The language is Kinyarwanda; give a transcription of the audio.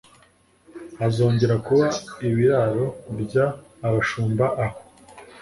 hazongera kuba ibiraro by abashumba aho